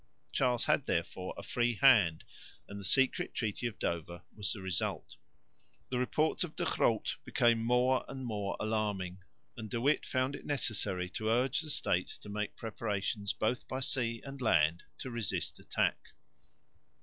Charles had therefore a free hand, and the secret treaty of Dover was the result. The reports of De Groot became more and more alarming; and De Witt found it necessary to urge the States to make preparations both by sea and land to resist attack.